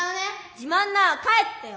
自まんなら帰ってよ！